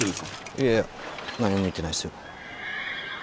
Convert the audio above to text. いやいや何も見てないっすよ。